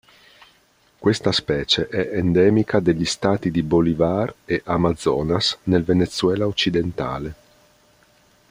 Questa specie è endemica degli stati di Bolívar e Amazonas, nel Venezuela occidentale.